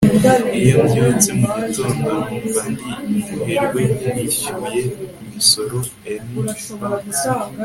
iyo mbyutse mu gitondo, numva ndi umuherwe ntishyuye imisoro. - ernie banks